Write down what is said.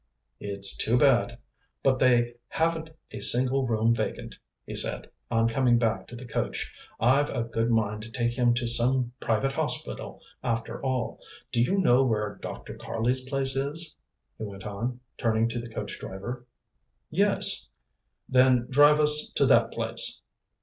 "It's too bad, but they haven't a single room vacant," he said, on coming back to the coach. "I've a good mind to take him to some private hospital, after all. Do you know where Dr. Karley's place is?" he went on, turning to the coach driver. "Yes." "Then drive us to that place."